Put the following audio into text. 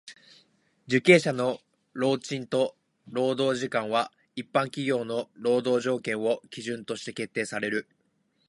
受刑者の労賃と労働時間は一般企業の労働条件を基準として決定される。